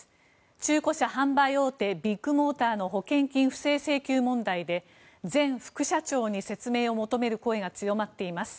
中古車販売大手ビッグモーターの保険金不正請求問題で前副社長に説明を求める声が強まっています。